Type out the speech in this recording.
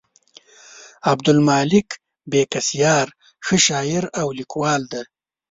عبدالمالک بېکسیار ښه شاعر او لیکوال دی.